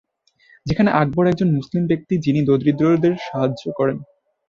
যেখানে আকবর একজন মুসলিম ব্যক্তি যিনি দরিদ্রদের সাহায্য করেন।